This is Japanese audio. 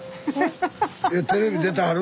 テレビ出てはる？